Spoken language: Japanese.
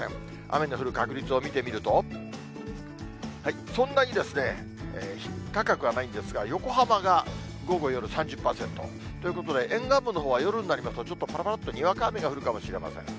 雨の降る確率を見てみると、そんなに高くはないんですが、横浜が午後、夜３０％、ということで、沿岸部のほうは夜になりますと、ぱらぱらっとにわか雨が降るかもしれません。